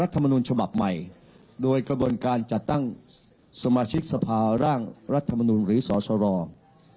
มนุนฉบับใหม่โดยกระบวนการจัดตั้งสมาชิกสภาร่างรัฐมนุนหรือสอสรอง